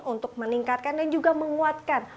untuk meningkatkan dan juga menguatkan